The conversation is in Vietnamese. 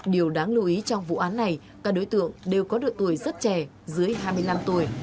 điều đáng lưu ý trong vụ án này các đối tượng đều có đội tuổi rất trẻ dưới hai mươi năm tuổi